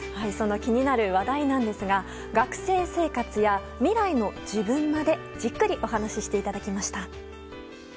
気になる話題なんですが学生生活や未来の自分までじっくりお話ししていただきました。